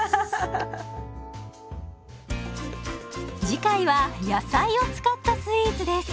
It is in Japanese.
次回は野菜を使ったスイーツです。